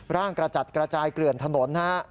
กระจัดกระจายเกลื่อนถนนฮะ